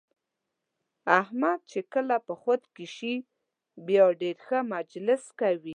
احمد چې کله په خود کې شي بیا ډېر ښه مجلس کوي.